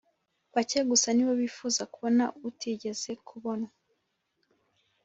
. Bake gusa nibo bifuzaga kubona utigeze kubonwa